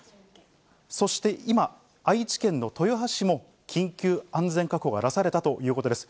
そして今、愛知県の豊橋市も緊急安全確保が出されたということです。